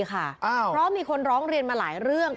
เพราะมีคนร้องเรียนมาหลายเรื่อง